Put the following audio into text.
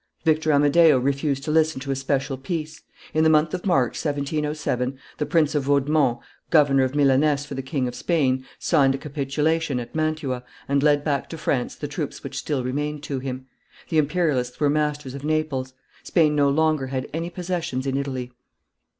Victor Amadeo refused to listen to a special peace: in the month of March, 1707, the Prince of Vaudemont, governor of Milaness for the King of Spain, signed a capitulation, at Mantua, and led back to France the troops which still remained to him. The imperialists were masters of Naples. Spain no longer had any possessions in Italy.